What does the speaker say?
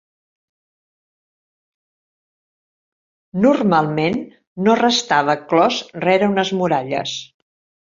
Normalment no restava clos rere unes muralles.